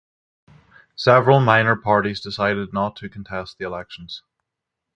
Several minor parties decided not to contest the elections.